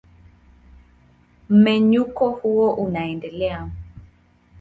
Mmenyuko huo unaendelea.